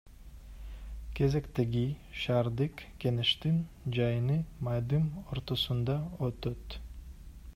Кезектеги шаардык кеңештин жыйыны майдын ортосунда өтөт.